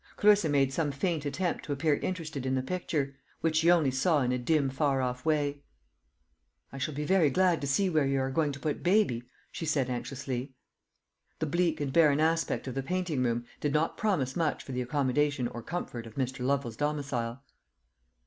Clarissa made some faint attempt to appear interested in the picture, which she only saw in a dim far off way. "I shall be very glad to see where you are going to put baby," she said anxiously. The bleak and barren aspect of the painting room did not promise much for the accommodation or comfort of Mr. Lovel's domicile.